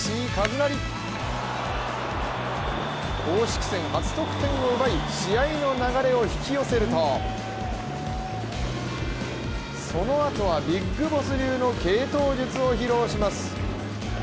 公式戦初得点を奪い試合の流れを引き寄せるとそのあとはビッグボス流の継投術を披露します